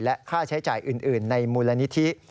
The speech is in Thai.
และค่าใช้จ่ายอื่นในมูลนิธิ